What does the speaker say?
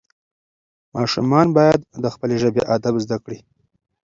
ماشومان باید د خپلې ژبې ادب زده کړي.